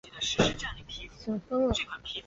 新城市是爱知县东部东三河地区的市。